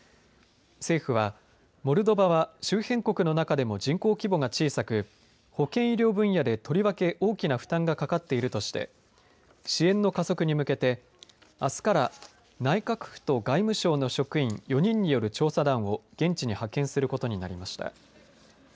政府はモルドバは周辺国の中でも人口規模が小さく保健医療分野でとりわけ大きな負担がかかっているとして支援の加速に向けてあすから内閣府と外務省の職員４人による調査団を現地に派遣することになりました。